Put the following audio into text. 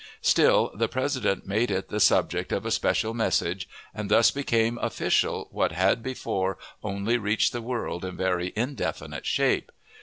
Still, the President made it the subject of a special message, and thus became "official" what had before only reached the world in a very indefinite shape.